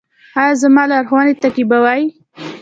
ایا زما لارښوونې تعقیبوئ؟